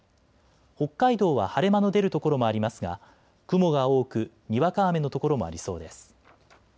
北海道は晴れ間の出る所もありますが雲が多くにわか雨の所もありそうです。